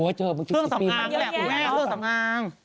โอ้เจอมึงที่๑๐ปีมันเยอะแยะ